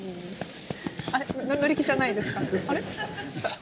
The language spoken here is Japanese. あれっ乗り気じゃないですか？